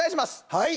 はい！